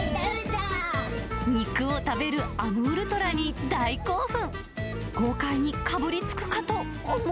肉を食べるアムールトラに大興奮。